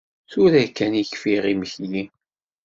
Tura kan i kfiɣ imekli.